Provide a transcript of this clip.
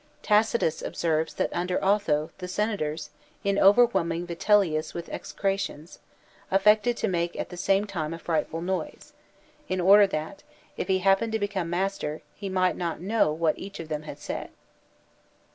Tacitus observes that under Otho the senators, in over whelming Vitellius with execrations, aflEected to make at the same time a frightful noise, in order that, if he happened to become master, he might not know what each of them had said.